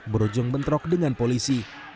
berujung bentrok dengan polisi